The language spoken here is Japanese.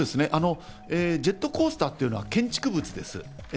ジェットコースターというのは建築物です。